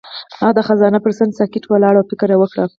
هغه د خزان پر څنډه ساکت ولاړ او فکر وکړ.